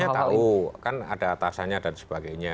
ya mereka harusnya tahu kan ada atasannya dan sebagainya